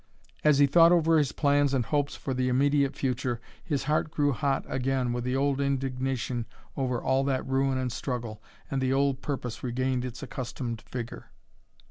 As he thought over his plans and hopes for the immediate future his heart grew hot again with the old indignation over all that ruin and struggle, and the old purpose regained its accustomed vigor.